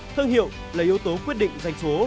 thương hiệu là yếu tố quyết định danh số